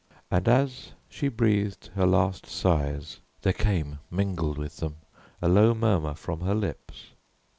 And as she breathed her last sighs, there came mingled with them a low murmur from her lips.